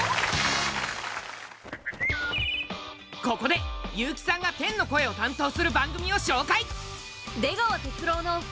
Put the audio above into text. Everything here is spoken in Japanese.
ここで悠木さんが天の声を担当する番組を紹介！